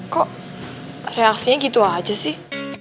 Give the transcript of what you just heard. kok reaksinya gitu aja sih